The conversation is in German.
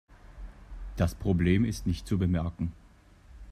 Das Problem ist nicht zu bemerken.